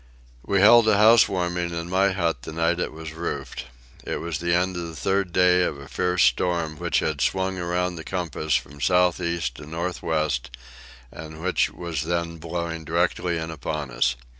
We held a housewarming in my hut the night it was roofed. It was the end of the third day of a fierce storm which had swung around the compass from the south east to the north west, and which was then blowing directly in upon us.